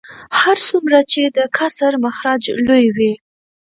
هر څومره چې د کسر مخرج لوی وي